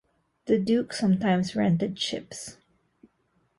The duke sometimes rented ships.